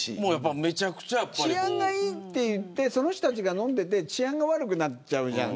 治安がいいっていってその人が飲んでいたら治安が悪くなっちゃうじゃん。